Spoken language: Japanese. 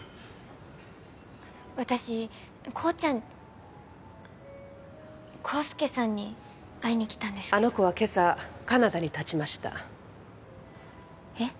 あの私コウちゃん康介さんに会いに来たんですけどあの子は今朝カナダにたちましたえっ？